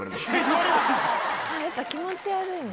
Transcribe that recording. やっぱ気持ち悪いんだ。